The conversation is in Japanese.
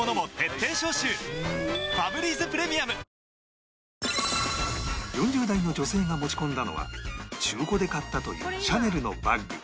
果たして４０代の女性が持ち込んだのは中古で買ったというシャネルのバッグ